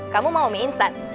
kamu mau mie instan